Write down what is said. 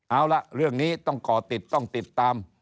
เอาล่ะเรื่องนี้ต้องก่อติดต้องติดตาม